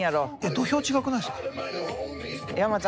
土俵違くないっすか？